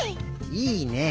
いいね！